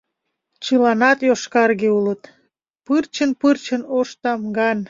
Чыланат йошкарге улыт, пырчын-пырчын ош тамган.